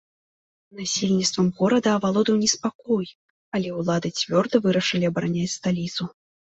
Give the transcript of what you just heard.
Насельніцтвам горада авалодаў неспакой, але ўлады цвёрда вырашылі абараняць сталіцу.